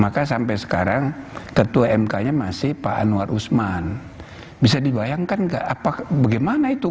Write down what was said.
maka sampai sekarang ketua mk nya masih pak anwar usman bisa dibayangkan bagaimana itu